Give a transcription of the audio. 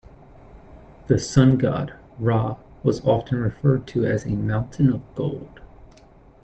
The sun god, Ra, was often referred to as a mountain of gold.